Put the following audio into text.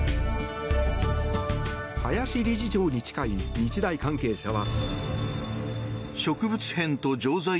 林理事長に近い日大関係者は。